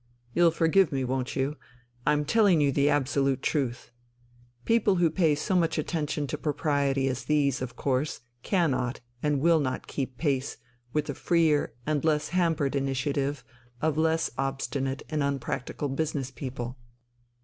You'll forgive me, won't you? I'm telling you the absolute truth. People who pay so much attention to propriety as these of course cannot and will not keep pace with the freer and less hampered initiative of less obstinate and unpractical business people.